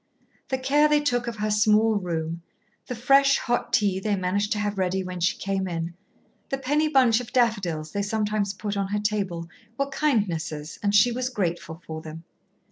The care they took of her small room, the fresh hot tea they managed to have ready when she came in, the penny bunch of daffodils they sometimes put on her table, were kindnesses, and she was grateful for them.